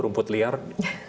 rumput liar tumbuh aja gitu